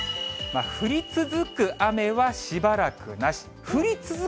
降り続く雨はしばらくなし。